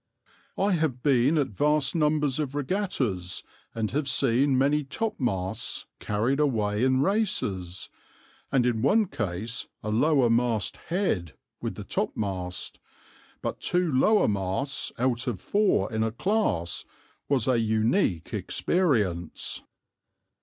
I have been at vast numbers of regattas and have seen many topmasts carried away in races, and in one case a lower mast head with the topmast, but two lower masts out of four in a class was a unique experience."